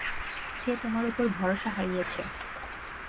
সে তোমার ওপর ভরসা হারিয়েছে।